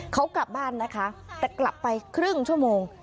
เขากลับบ้านนะคะแต่กลับไปครึ่งชั่วโมง